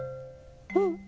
うん。